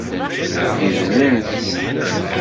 Gedlen-t.